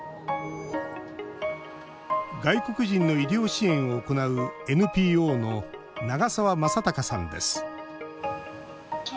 外国人の医療支援を行うＮＰＯの長澤正隆さんです。